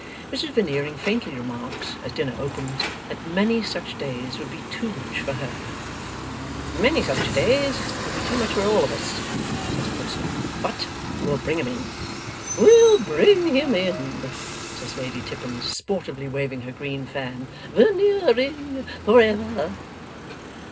Mrs Veneering faintly remarks, as dinner opens, that many such days would be too much for her. 'Many such days would be too much for all of us,' says Podsnap; 'but we'll bring him in!' 'We'll bring him in,' says Lady Tippins, sportively waving her green fan. 'Veneering for ever!